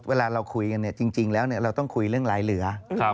เวลาเราคุยกันจริงแล้วเราต้องคุยเรื่องลายเหลือ